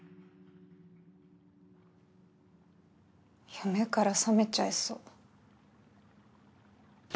夢から覚めちゃいそう。